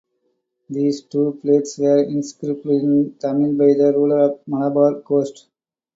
These two plates were inscribed in Tamil by the ruler of the Malabar Coast.